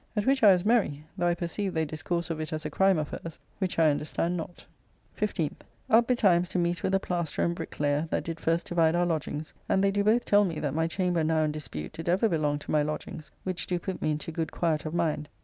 At which I was merry, though I perceive they discourse of it as a crime of hers, which I understand not. 15th. Up betimes to meet with the plasterer and bricklayer that did first divide our lodgings, and they do both tell me that my chamber now in dispute did ever belong to my lodgings, which do put me into good quiet of mind.